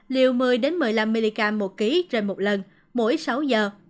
liều một mươi một mươi năm mg một kg trên một lần mỗi sáu giờ